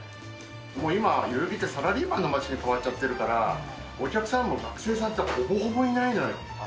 もう今は、代々木って、サラリーマンの街に変わっちゃってるから、お客さんも学生さんってほぼほぼいないんじゃないですか。